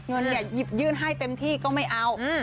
เงินยืนให้เต็มที่ก็ไม่เอา